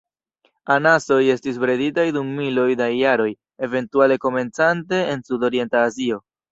Anasoj estis breditaj dum miloj da jaroj, eventuale komencante en Sudorienta Azio.